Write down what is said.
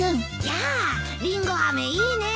やありんごあめいいね。